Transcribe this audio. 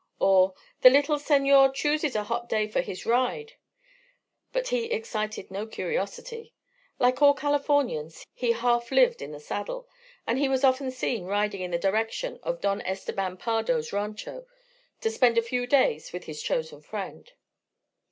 or, "The little senor chooses a hot day for his ride." But he excited no curiosity. Like all Californians he half lived in the saddle; and he was often seen riding in the direction of Don Esteban Pardo's rancho, to spend a few days with his chosen friend.